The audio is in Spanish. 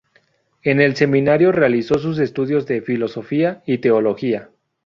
En el seminario realizó sus estudios de Filosofía y Teología.